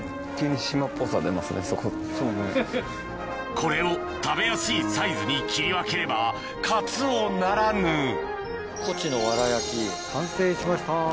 これを食べやすいサイズに切り分ければカツオならぬコチのワラ焼き完成しました。